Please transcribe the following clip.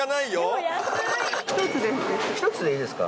１つです。